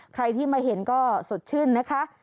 ใครที่มาเห็นก็สดชื่นนะคะ